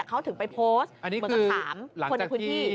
เขาถึงไปโพสต์เหมือนกับถามคนในพื้นที่